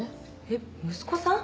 えっ息子さん？